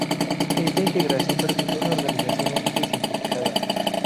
Esta integración permite una organización única y simplificada.